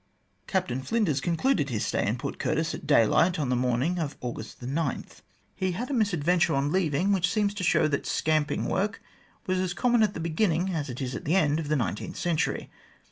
Captain Flinders concluded his stay in Port Curtis at daylight on the morn ing of August 9. He had a misadventure on leaving, which seems to show that "scamping" work was as common at the beginning as it is at the end of the nineteenth century.